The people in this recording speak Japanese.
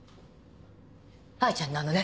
藍ちゃんなのね？